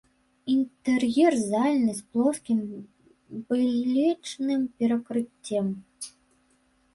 Інтэр'ер зальны з плоскім бэлечным перакрыццем.